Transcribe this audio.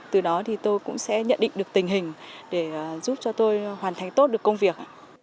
từ đó thì tôi cũng sẽ nhận định được tình hình để giúp cho tôi hoàn thành tốt được công việc